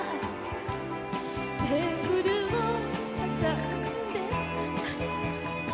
「テーブルをはさんで」